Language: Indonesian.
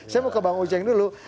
saya mau ke bang ujang dulu